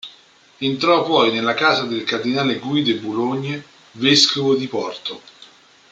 Entrò poi nella casa del cardinale Guy de Boulogne, vescovo di Porto.